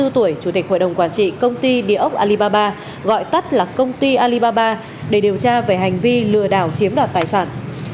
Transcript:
ba mươi tuổi chủ tịch hội đồng quản trị công ty địa ốc alibaba gọi tắt là công ty alibaba để điều tra về hành vi lừa đảo chiếm đoạt tài sản